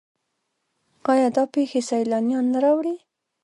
آیا دا پیښې سیلانیان نه راوړي؟